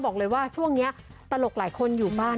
บอกเลยว่าช่วงนี้ตลกหลายคนอยู่บ้าน